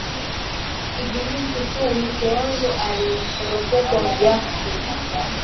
Ibilisi tu mke wangu Aliropokwa Jaku